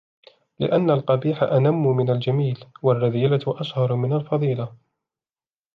لِأَنَّ الْقَبِيحَ أَنَمُّ مِنْ الْجَمِيلِ وَالرَّذِيلَةُ أَشْهَرُ مِنْ الْفَضِيلَةِ